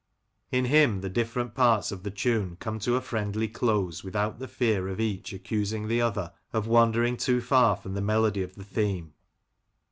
In him the different parts of the tune come to a friendly close, without the fear of each accusing the other of wandering too far from the melody of the theme.